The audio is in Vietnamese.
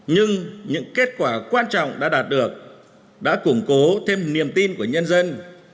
nhưng những kết quả quan trọng đã đạt được đã củng cố thêm niềm tin của nhân dân